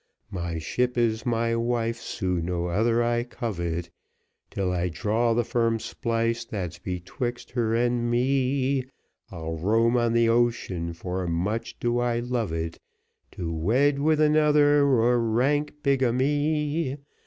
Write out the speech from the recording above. "My ship is my wife, Sue, no other I covet, Till I draw the firm splice that's betwixt her and me; I'll roam on the ocean, for much do I love it To wed with another were rank bigamy."